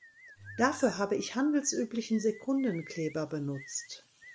Dafür habe ich handelsüblichen Sekundenkleber benutzt.